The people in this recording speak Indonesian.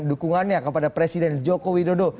dukungannya kepada presiden jokowi dodo